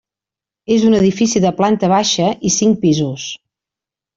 És un edifici de planta baixa i cinc pisos.